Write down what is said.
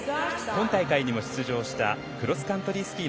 今大会にも出場したクロスカントリー